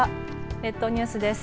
列島ニュースです。